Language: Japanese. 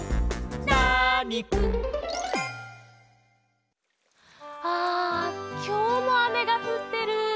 ナーニくん」あきょうもあめがふってる。